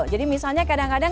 jadi misalnya kadang kadang